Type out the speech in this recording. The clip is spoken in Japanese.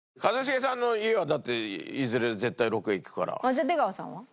じゃあ出川さんは？